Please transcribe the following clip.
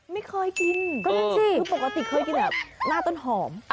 ไม่เคยกินปกติเคยกินแบบหน้าต้นหอม